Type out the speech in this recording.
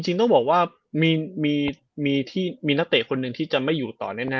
จริงต้องบอกว่ามีนักเตะคนหนึ่งที่จะไม่อยู่ต่อแน่